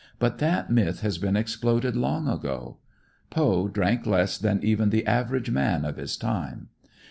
But that myth has been exploded long ago. Poe drank less than even the average man of his time.